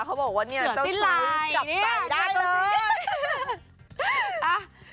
เขาบอกว่าเนี่ยเจ้าชู้จับไก่ได้เลย